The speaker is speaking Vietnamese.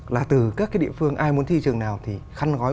là từ các cái địa phương ai muốn thi trường nào thì khăn gói